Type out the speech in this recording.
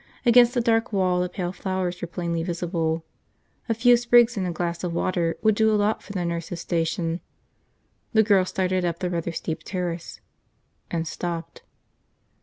Against the dark wall the pale flowers were plainly visible. A few sprigs in a glass of water would do a lot for the nurses' station. The girl started up the rather steep terrace. And stopped.